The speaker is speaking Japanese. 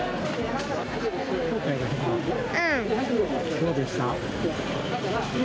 どうでした？